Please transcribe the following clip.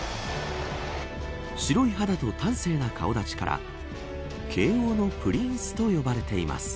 白い肌と端正な顔立ちから慶応のプリンスと呼ばれています。